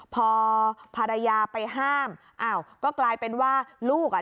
พอภรรยาไปห้ามอ้าวก็กลายเป็นว่าลูกอ่ะ